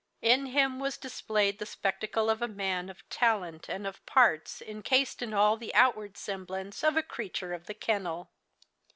In him was displayed the spectacle of a man of talent and of parts encased in all the outward semblance of a creature of the kennel.